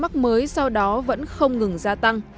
mắc mới sau đó vẫn không ngừng gia tăng